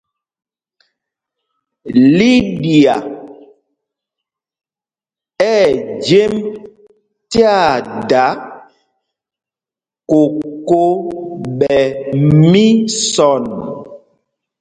Liɗia ɛ̂ jemb tyaa dǎ koko ɓɛ misɔn.